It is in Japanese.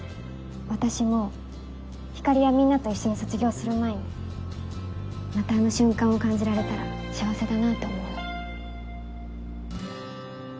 私もひかりやみんなと一緒に卒業する前にまたあの瞬間を感じられたら幸せだなと思う。